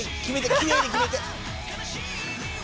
きれいに決めて！